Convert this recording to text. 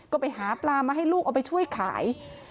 ก็ไปหาปลามาให้ลูกเอาไปช่วยขาย